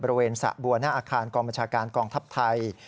บริเวณสระบัวหน้าอาคารกองบัญชาการกองทัพไทย